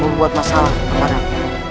membuat masalah kepada aku